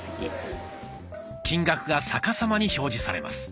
金額が逆さまに表示されます。